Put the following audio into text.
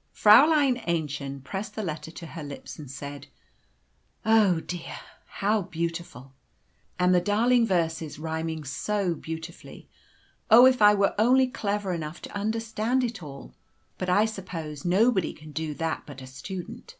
A. E.] Fräulein Aennchen pressed the letter to her lips, and said, "Oh, how dear, how beautiful! And the darling verses, rhyming so beautifully. Oh, if I were only clever enough to understand it all; but I suppose nobody can do that but a student.